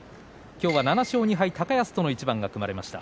今日、７勝２敗、高安との一番が組まれました。